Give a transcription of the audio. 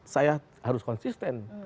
saya harus konsisten